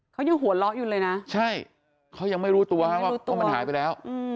เขายังหัวเราะอยู่เลยนะใช่เขายังไม่รู้ตัวว่าเพราะมันหายไปแล้ว